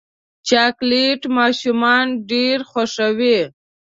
چاکلېټ ماشومان ډېر خوښوي.